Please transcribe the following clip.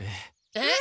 えっ？